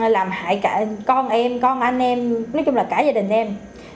làm hại cả con em con anh em nói chung là cả gia đình em